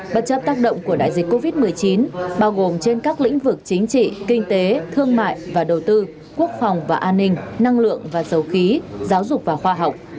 bất chấp tác động của đại dịch covid một mươi chín bao gồm trên các lĩnh vực chính trị kinh tế thương mại và đầu tư quốc phòng và an ninh năng lượng và dầu khí giáo dục và khoa học